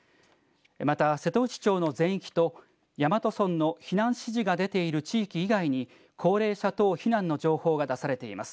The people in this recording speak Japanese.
また瀬戸内町の全域と大和村の避難指示が出ている地域以外に高齢者等避難の情報が出されています。